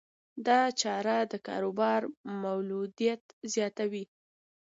دا چاره د کاروبار مولدیت زیاتوي.